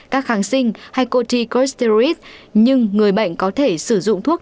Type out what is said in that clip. các kháng sinh hay cotychosteroids nhưng người bệnh có thể sử dụng thuốc